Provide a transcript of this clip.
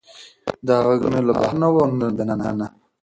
دا غږ نه له بهر نه و او نه له دننه نه.